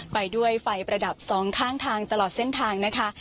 ไปด้วยไฟประดับสองข้างทางตลอดเส้นทางนะคะ